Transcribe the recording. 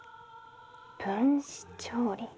分子調理。